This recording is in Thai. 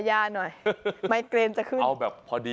ขอยาหน่อยไมโกรนจะขึ้น